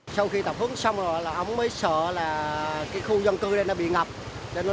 nhưng mà sợ là do cái hầm đó nè